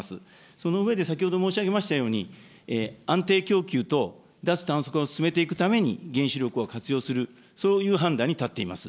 その上で、先ほど申し上げましたように、安定供給と脱炭素化を進めていくために原子力を活用する、そういう判断に立っています。